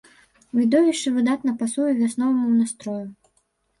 Відовішча выдатна пасуе вясноваму настрою.